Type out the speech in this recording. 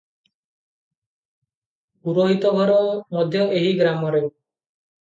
ପୁରୋହିତ ଘର ମଧ୍ୟ ଏହି ଗ୍ରାମରେ ।